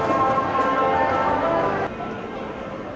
ขอบคุณทุกคนมากครับที่ทุกคนรัก